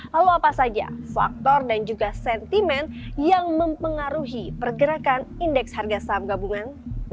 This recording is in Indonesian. lalu apa saja faktor dan juga sentimen yang mempengaruhi pergerakan indeks harga saham gabungan